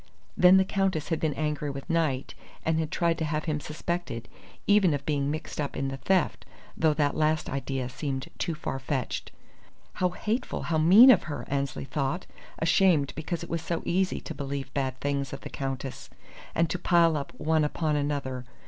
Then the Countess had been angry with Knight, and had tried to have him suspected, even of being mixed up in the theft though that last idea seemed too far fetched. "How hateful, how mean of her!" Annesley thought, ashamed because it was so easy to believe bad things of the Countess, and to pile up one upon another.